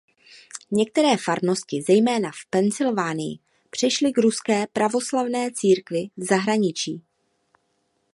Některé farnosti zejména v Pensylvánii přešly k Ruské pravoslavné církvi v zahraničí.